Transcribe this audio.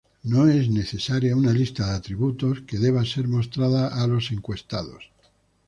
No es necesaria una lista de atributos que debe ser mostrada a los encuestados.